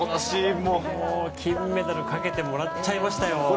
金メダルかけてもらっちゃいましたよ。